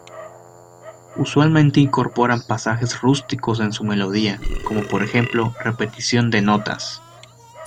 Usualmente incorporan pasajes rústicos en su melodía, como por ejemplo repetición de notas.